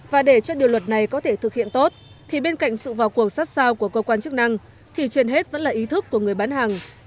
và để cho điều luật này có thể thực hiện tốt thì bên cạnh sự vào cuộc sát sao của cơ quan chức năng thì trên hết vẫn là ý thức của người bán hàng